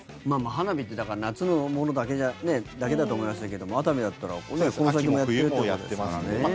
花火って夏のものだけだと思いましたけど熱海だったら、この先もやってるってことですからね。